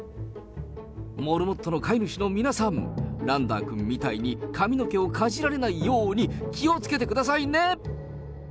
モルモットの飼い主の皆さん、ランダーくんみたいに髪の毛をかじられないように、気をつけてくださいね。